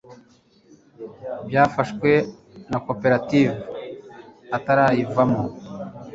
byafashwe na koperative atarayivamo